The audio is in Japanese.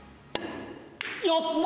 やった！